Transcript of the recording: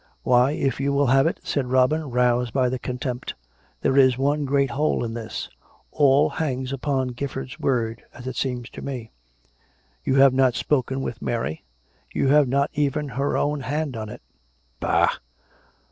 " Why, if you will have it," said Robin, roused by the contempt, " there is one great hole in this. All hangs upon Gifford's word, as it seems to me. You have not spoken with Mary; you have not even her own hand on it." " Bah